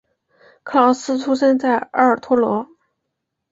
克劳斯出生在埃尔托罗。